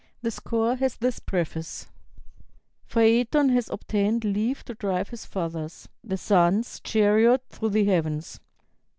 The score has this preface: "Phaëton has obtained leave to drive his father's, the Sun's, chariot through the heavens.